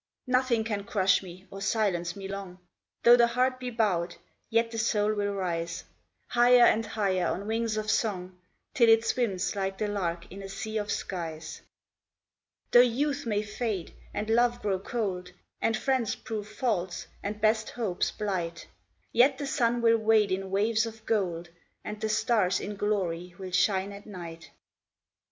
Nothing can crush me, or silence me long, Though the heart be bowed, yet the soul will rise, Higher and higher on wings of song, Till it swims like the lark in a sea of skies. Though youth may fade, and love grow cold, And friends prove false, and best hopes blight, Yet the sun will wade in waves of gold, And the stars in glory will shine at night.